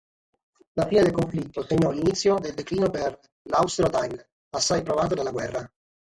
La fine del conflitto segnò l'inizio del declino per l'Austro-Daimler, assai provata dalla guerra.